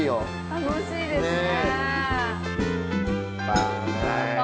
楽しいですね。